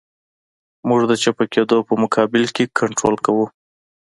موږ د چپه کېدو په مقابل کې کنټرول کوو